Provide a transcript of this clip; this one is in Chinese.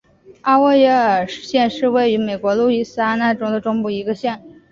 阿沃耶尔县是位于美国路易斯安那州中部的一个县。